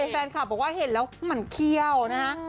แฟนคลับบอกว่าเห็นแล้วมันเขี้ยวนะฮะ